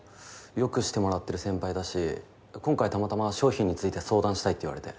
良くしてもらってる先輩だし今回たまたま商品について相談したいって言われて。